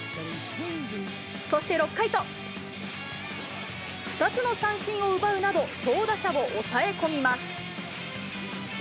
そして６回と、２つの三振を奪うなど、強打者を抑え込みます。